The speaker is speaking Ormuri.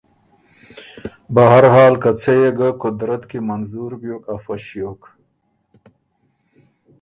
بهر حال که څه يې قدرت کی منظور بیوک افۀ ݭیوک،